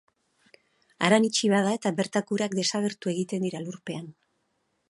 Haran itxi bat da, eta bertako urak desagertu egiten dira lurpean.